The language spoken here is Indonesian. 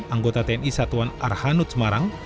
anggota tni satuan arhanud semarang